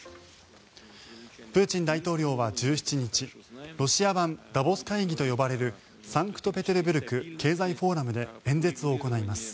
プーチン大統領は１７日ロシア版ダボス会議と呼ばれるサンクトペテルブルク経済フォーラムで演説を行います。